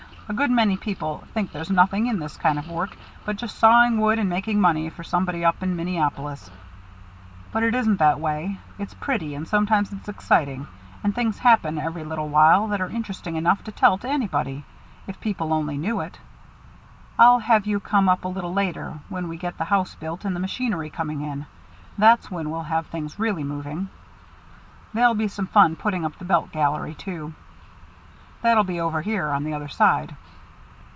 "A good many people think there's nothing in this kind of work but just sawing wood and making money for somebody up in Minneapolis. But it isn't that way. It's pretty, and sometimes it's exciting; and things happen every little while that are interesting enough to tell to anybody, if people only knew it. I'll have you come up a little later, when we get the house built and the machinery coming in. That's when we'll have things really moving. There'll be some fun putting up the belt gallery, too. That'll be over here on the other side."